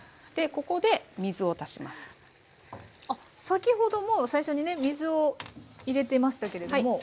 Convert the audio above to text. でここで先ほども最初にね水を入れてましたけれども。